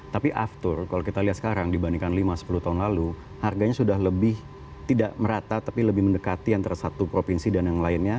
tapi aftur kalau kita lihat sekarang dibandingkan lima sepuluh tahun lalu harganya sudah lebih tidak merata tapi lebih mendekati antara satu provinsi dan yang lainnya